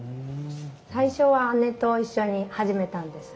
最初は姉と一緒に始めたんです。